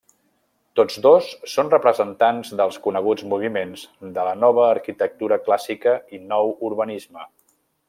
Tots dos són representants dels coneguts moviments de la Nova Arquitectura Clàssica i Nou Urbanisme.